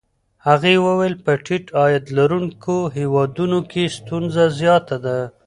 هغې وویل په ټیټ عاید لرونکو هېوادونو کې ستونزه زیاته ده.